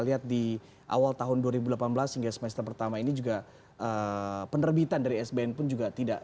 lihat di awal tahun dua ribu delapan belas hingga semester pertama ini juga penerbitan dari sbn pun juga tidak